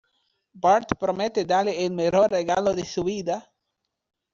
Bart promete darle el mejor regalo de su vida.